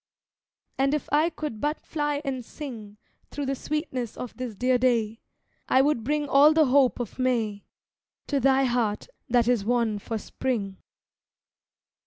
And if I could but fly and sing Thro' the sweetness of this dear day, I would bring all the hope of May, To thy heart, that is wan for Spring.